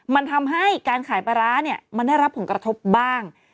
มันทำให้การขายปลาร้าเนี่ยมันได้รับผลกระทบบ้าง